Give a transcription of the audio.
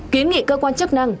kiến nghị cơ quan chức năng